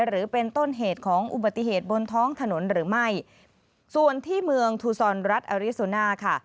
หรือเป็นต้นเหตุของอุบัติเหตุบนท้องถนนหรือไม่ส่วนที่เมืองทูซอนรัฐอริสุน่าค่ะ